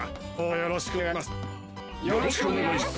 よろしくお願いします！